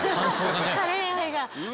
カレー愛が。